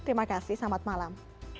terima kasih selamat malam